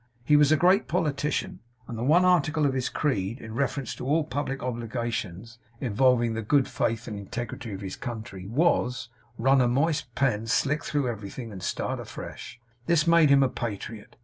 He was a great politician; and the one article of his creed, in reference to all public obligations involving the good faith and integrity of his country, was, 'run a moist pen slick through everything, and start fresh.' This made him a patriot.